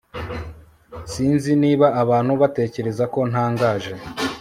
sinzi niba abantu batekereza ko ntangaje